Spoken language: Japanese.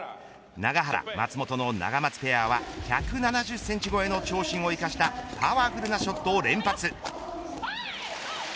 永原・松本のナガマツペアは１７０センチ超えの長身を生かしたパワフルなショットを連発。